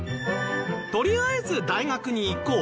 とりあえず大学に行こう